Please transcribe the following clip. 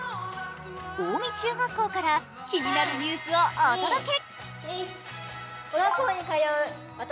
青海中学校から気になるニュースをお届け。